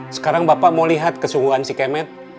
sekarang bapak mau lihat kesungguhan si kemet